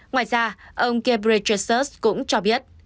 ngoài ra ông ghebreyesus cũng cho biết